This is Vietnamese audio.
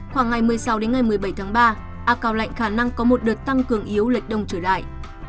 khoảng ngày một mươi sáu đến ngày một mươi bảy tháng ba áp cao lạnh khả năng có một đợt tăng cường yếu lệch đông trở lại